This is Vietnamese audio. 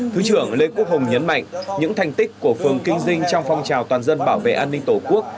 thứ trưởng lê quốc hùng nhấn mạnh những thành tích của phường kinh dinh trong phong trào toàn dân bảo vệ an ninh tổ quốc